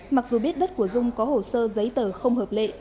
mặc dù biết đất của dung có hồ sơ giấy tờ không hợp lệ